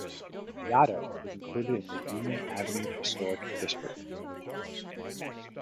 Yaddo is included in the Union Avenue Historic District.